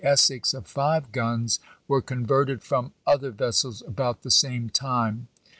Essex, of five guns, — were converted from other ves sels about the same time.